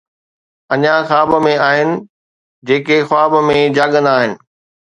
اڃا خواب ۾ آهن، جيڪي خواب ۾ جاڳندا آهن